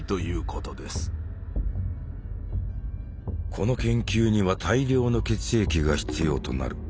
この研究には大量の血液が必要となる。